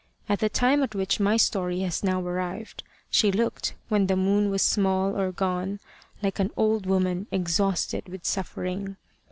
At the time at which my story has now arrived, she looked, when the moon was small or gone, like an old woman exhausted with suffering.